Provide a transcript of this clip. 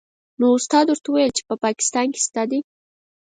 نو استاد ورته وویل چې په پاکستان کې شته دې.